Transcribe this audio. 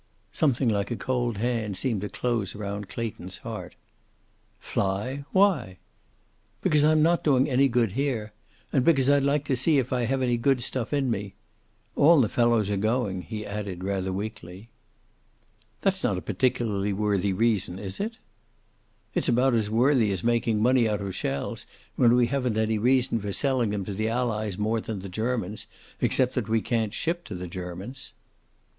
Something like a cold hand seemed to close round Clayton's heart. "Fly! Why?" "Because I'm not doing any good here. And because I'd like to see if I have any good stuff in me. All the fellows are going," he added, rather weakly. "That's not a particularly worthy reason, is it?" "It's about as worthy as making money out of shells, when we haven't any reason for selling them to the Allies more than the Germans, except that we can't ship to the Germans."